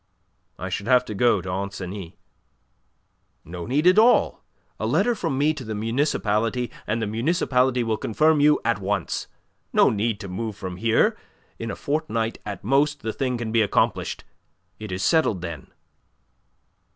"I should have to go to Ancenis..." "No need at all. A letter from me to the Municipality, and the Municipality will confirm you at once. No need to move from here. In a fortnight at most the thing can be accomplished. It is settled, then?"